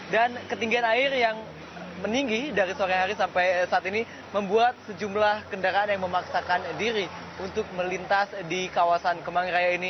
dan ketinggian air yang meninggi dari sore hari sampai saat ini membuat sejumlah kendaraan yang memaksakan diri untuk melintas di kawasan kemangiraya ini